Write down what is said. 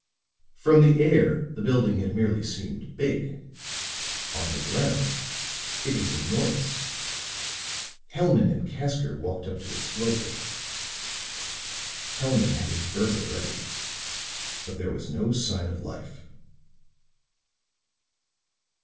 From the air, the building had merely seemed big. On the ground, it was enormous. Hellman and Casker walked up to it slowly. Hellman had his burner ready, but there was no sign of life.